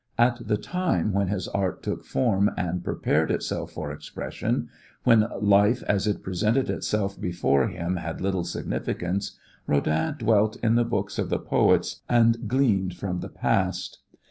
At the time when his art took form and prepared itself for expression, when life as it presented itself before him had little significance, Rodin dwelt in the books of the poets and gleaned from the past.